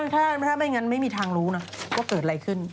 ถ้าไม่งั้นไม่มีทางรู้นะว่าเกิดอะไรขึ้น